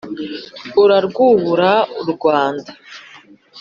urarwubura u rwanda.